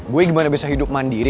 gue gimana bisa hidup mandiri